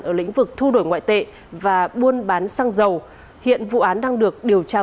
ở lĩnh vực thu đổi ngoại tệ và buôn bán xăng dầu hiện vụ án đang được điều tra